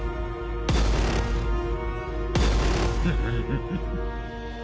フフフ